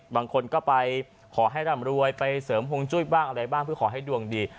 บางคนก็ไปขอให้ร่ำรวยไปเสริมห่วงจุ้ยบ้างอะไรบ้างเพื่อขอให้ดวงดี